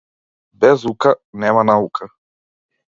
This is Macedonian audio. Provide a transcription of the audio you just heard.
Без ука нема наука.